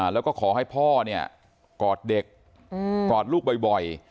แล้วก็ขอให้พ่อเนี่ยกอดเด็กกอดลูกบ่อย